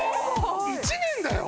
１年だよ